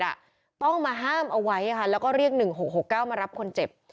ต้องมาห้ามเอาไว้ค่ะแล้วก็เรียก๑๖๖๙มารับคนเจ็บ